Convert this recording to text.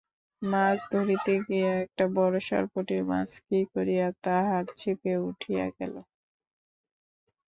মাছ ধরিতে গিয়া একটা বড় সরপুঁটি মাছ কি করিয়া তাহার ছিপে উঠিয়া গেল।